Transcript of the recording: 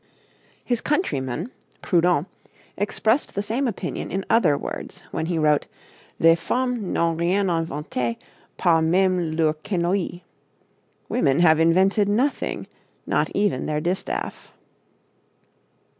His countryman, Proudhon, expressed the same opinion in other words when he wrote, Les femmes n'ont rien inventé, pas mème leur quenouille women have invented nothing, not even their distaff.